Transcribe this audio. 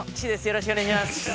よろしくお願いします。